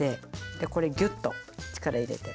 これギュッと力入れてします。